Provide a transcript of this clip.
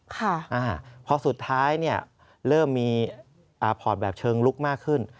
ค่ะอ่าพอสุดท้ายเนี่ยเริ่มมีพอร์ตแบบเชิงลุกมากขึ้น